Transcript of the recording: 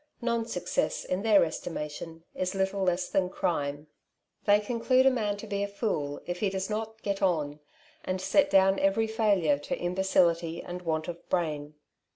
Non success in their estimation is little less than crime ; they con The Home of Wealth, 19 elude a man to be a fool if he does not '' get on/' and set down every failure to imbecility and want of brain.